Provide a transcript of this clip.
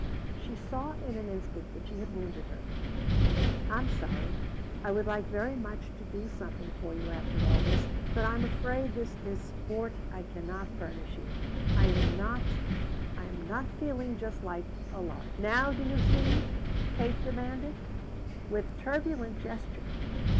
She saw in an instant that she had wounded her. "I'm sorry; I would like very much to do something for you after all this. But I am afraid this is sport I cannot furnish you. I am not I'm not feeling just like a lark." "Now do you see?" Kate demanded with turbulent gesture.